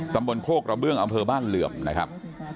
ตำบลโคกระเบื้องอำเภอบ้านเหลื่อมนะครับ